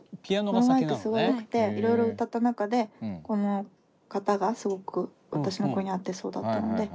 このマイクすごいよくていろいろ歌った中でこのかたがすごく私の声に合ってそうだったのでこれにしました。